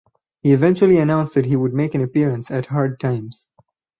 He eventually announced that he would make an appearance at Hard Times.